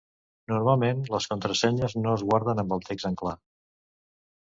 Normalment les contrasenyes no es guarden amb el text en clar.